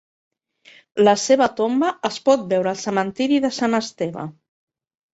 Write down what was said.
La seva tomba es pot veure al cementiri de Sant Esteve.